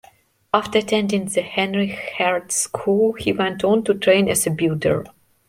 After attending the "Heinrich-Hertz" School, he went on to train as a builder.